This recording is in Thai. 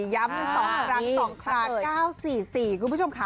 ย้ำกัน๒ครั้ง๒ตรา๙๔๔คุณผู้ชมค่ะ